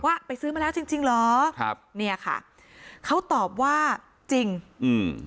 ว่าไปซื้อมาแล้วจริงจริงเหรอครับเนี่ยค่ะเขาตอบว่าจริงอืม